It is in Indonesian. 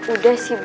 udah sih bu